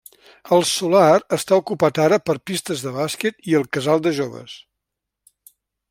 El solar està ocupat ara per pistes de bàsquet i el Casal de Joves.